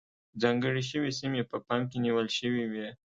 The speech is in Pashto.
ځانګړې شوې سیمې په پام کې نیول شوې وې.